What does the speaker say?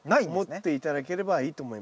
思って頂ければいいと思います。